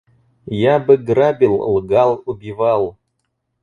Я бы грабил, лгал, убивал.